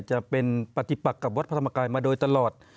จะเป็นปฏิปักกับวัดพระธรรมกายมาโดยตลอด